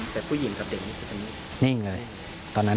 แต่ผู้หญิงกับเด็กมีความนิ่งหรือเปล่า